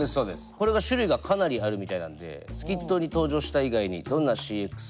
これが種類がかなりあるみたいなんでスキットに登場した以外にどんなＣｘＯがあるのか調べました。